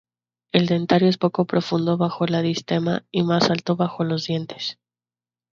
El dentario es poco profundo bajo el diastema y más alto bajo los dientes.